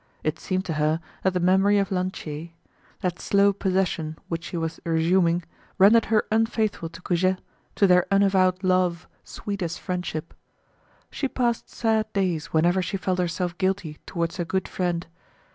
It seemed to her that the memory of Lantier—that slow possession which she was resuming—rendered her unfaithful to Goujet, to their unavowed love, sweet as friendship. She passed sad days whenever she felt herself guilty towards her good friend.